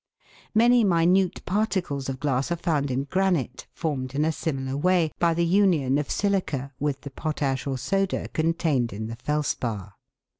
Many minute particles of glass are tound in granite, formed in a similar way, by the union of silica with the potash or soda contained in the felspar.